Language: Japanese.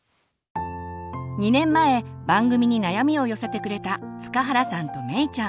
２年前番組に悩みを寄せてくれた塚原さんとめいちゃん。